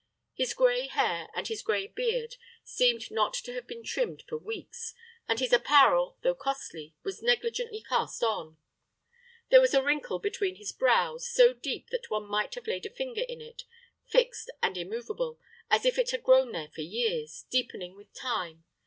His gray hair and his gray beard seemed not to have been trimmed for weeks, and his apparel, though costly, was negligently cast on. There was a wrinkle between his brows, so deep that one might have laid a finger in it, fixed and immovable, as if it had grown there for years, deepening with time.